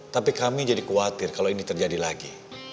tapi kami jadi khawatir kalau ini terjadi lagi